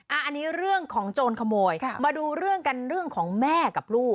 อันนี้เรื่องของโจรขโมยค่ะมาดูเรื่องกันเรื่องของแม่กับลูก